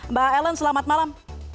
mbak ellen selamat malam